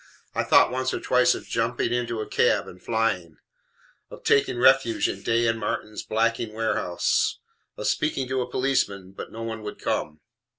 I thought once or twice of jumping into a cab, and flying; of taking refuge in Day and Martin's Blacking Warehouse; of speaking to a policeman, but not one would come.